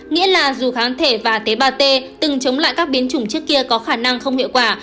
nghĩa là dù kháng thể và tế bào t từng chống lại các biến chủng trước kia có khả năng không hiệu quả